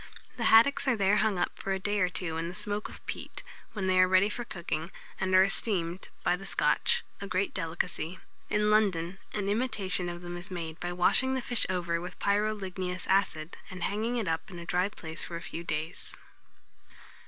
The haddocks are there hung up for a day or two in the smoke of peat, when they are ready for cooking, and are esteemed, by the Scotch, a great delicacy. In London, an imitation of them is made by washing the fish over with pyroligneous acid, and hanging it up in a dry place for a few days.